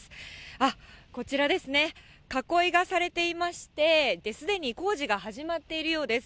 あっ、こちらですね、囲いがされていまして、すでに工事が始まっているようです。